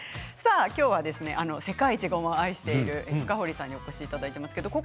今日は世界一ごまを愛している深堀さんにお越しいただいています。